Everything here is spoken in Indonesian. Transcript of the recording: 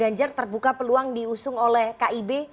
ganjar terbuka peluang diusung oleh kib